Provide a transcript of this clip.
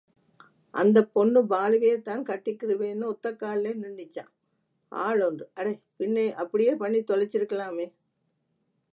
அந்தப் பொண்ணு பாலுவையேதான் கட்டிக்கிருவேன்னு ஒத்தக்கால்லே நின்னுச்சாம் ஆள் ஒன்று அடே, பின்னே அப்படியே பண்ணித் தொலைச்சிருக்கலாமே.